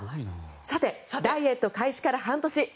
さて、ダイエット開始から半年。